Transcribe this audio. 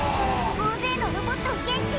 大勢のロボットを検知！